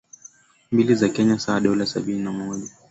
mbili za Kenya sawa na dola sabini na moja